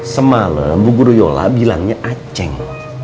semalam bu guruyola bilangnya aceh